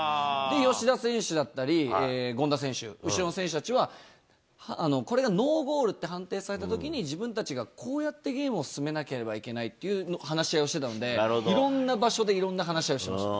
吉田選手だったり権田選手、後ろの選手たちはこれがノーゴールと判定されたときに、自分たちがこうやってゲームを進めなければいけないっていう話し合いをしてたので、いろんな場所でいろんな話し合いをしてました。